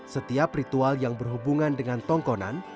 setiap ritual yang berhubungan dengan tongkonan